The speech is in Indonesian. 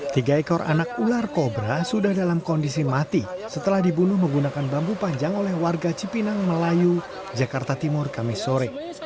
tiga ekor anak ular kobra sudah dalam kondisi mati setelah dibunuh menggunakan bambu panjang oleh warga cipinang melayu jakarta timur kamisore